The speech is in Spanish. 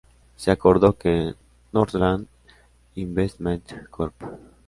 Se acordó que Northland Investment Corp.